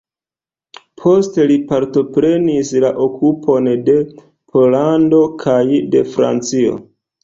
Poste li partoprenis la okupon de Pollando kaj de Francio.